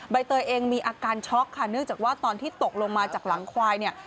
ใบเตยเองมีอาการช็อกค่ะเนื่องจากว่าตอนที่ตกลงมาจากหลังควายเนี่ย